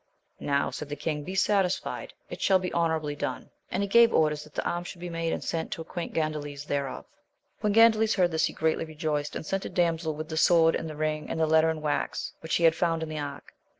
Now, said the king, be satisfied, it shall be honourably done. And he gave orders that the arms should be made, and sent to acquaint Gandales thereof. When Gandales heard this, he greatly rejoiced ; and sent a damsel with the sword, and the ring, and the letter in the wax, which he had found in the ark.